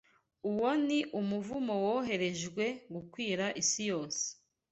Uwo ni umuvumo woherejwe gukwira isi yose